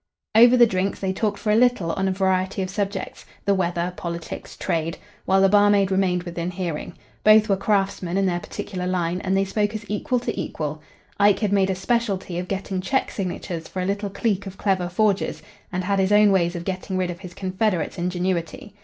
Over the drinks they talked for a little on a variety of subjects the weather, politics, trade while the barmaid remained within hearing. Both were craftsmen in their particular line, and they spoke as equal to equal. Ike had made a specialty of getting cheque signatures for a little clique of clever forgers, and had his own ways of getting rid of his confederates' ingenuity.